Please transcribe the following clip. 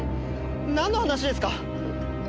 なんの話ですか？